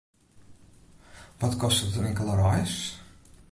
Wat kostet in inkelde reis?